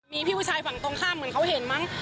มีพี่ผู้ชายฝั่งตรงข้ามเหมือนเขาเห็นมั้ง